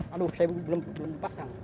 aduh saya belum dipasang